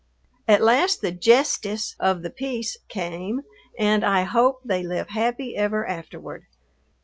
At last the "jestice" of the peace came, and I hope they live happy ever afterward.